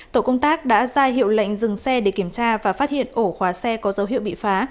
tổ công tác đã ra hiệu lệnh dừng xe để kiểm tra và phát hiện ổ khóa xe có dấu hiệu bị phá